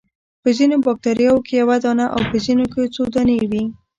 په ځینو باکتریاوو کې یو دانه او په ځینو کې څو دانې وي.